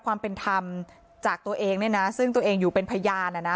ความเป็นธรรมจากตัวเองเนี่ยนะซึ่งตัวเองอยู่เป็นพยานอ่ะนะ